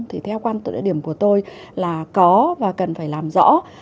thì theo quan tụ địa điểm của tôi là có và cần phải làm rõ